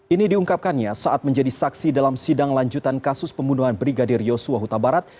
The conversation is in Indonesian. ini diungkapkannya saat menjadi saksi dalam sidang lanjutan kasus pembunuhan brigadir yosua huta barat